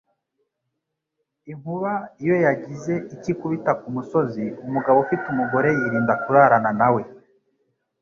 Inkuba iyo yagize icyo ikubita ku musozi umugabo ufite umugore yirinda kurarana nawe,